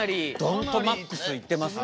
ドンとマックスいってますね。